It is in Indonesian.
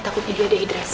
takut dia diaidrasi